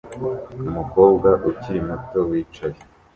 Umukobwa ukiri muto wicaye